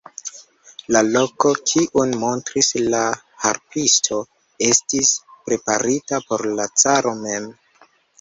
La loko, kiun montris la harpisto, estis preparita por la caro mem.